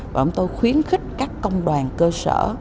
bọn tôi khuyến khích các công đoàn cơ sở